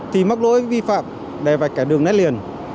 thì mắc lỗi vi phạm đè vạch kẻ đường nét liền